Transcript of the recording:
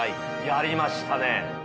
やりましたね。